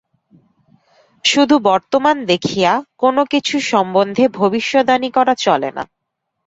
শুধু বর্তমান দেখিয়া কোন কিছু সম্বন্ধে ভবিষ্যদ্বাণী করা চলে না।